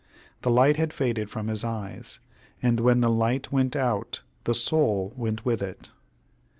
The light had faded from his eyes, and when the light went out the soul went with it.